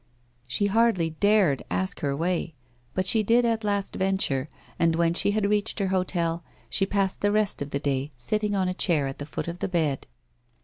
She hardly dared ask her way, but she did at last venture, and when she had reached her hotel, she passed the rest of the day sitting on a chair at the foot of the bed.